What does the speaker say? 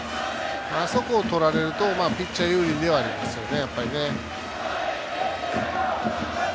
あそこをとられるとピッチャー有利にはなりますね。